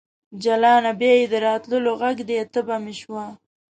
جلانه ! بیا یې د راتللو غږ دی تبه مې شوه